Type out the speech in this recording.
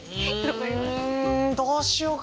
うんどうしようかな。